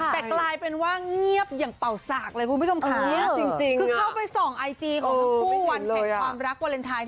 แต่กลายเป็นว่าเงียบอย่างเป่าศากเลย